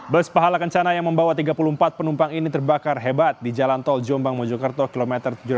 bus pahala kencana yang membawa tiga puluh empat penumpang ini terbakar hebat di jalan tol jombang mojokerto km tujuh ratus delapan puluh